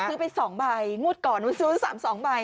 คือเป็น๒ใบงวดก่อนเป็น๐๓๒ใบ